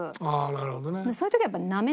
なるほどね。